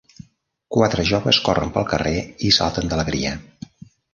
Quatre joves corren pel carrer i salten d'alegria.